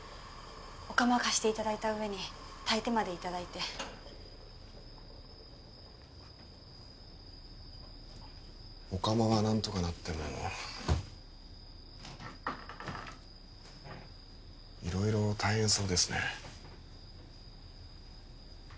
お釜を貸していただいた上に炊いてまでいただいてお釜は何とかなっても色々大変そうですね